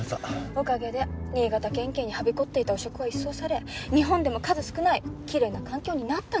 おかげで新潟県警にはびこっていた汚職は一掃され日本でも数少ないきれいな環境になったんじゃないですか！